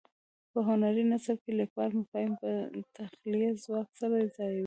په هنري نثر کې لیکوال مفاهیم په تخیلي ځواک سره ځایوي.